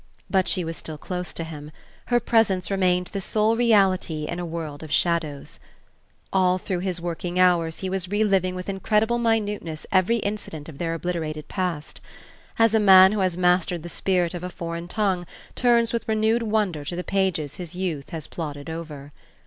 But she was still close to him; her presence remained the sole reality in a world of shadows. All through his working hours he was re living with incredible minuteness every incident of their obliterated past; as a man who has mastered the spirit of a foreign tongue turns with renewed wonder to the pages his youth has plodded over.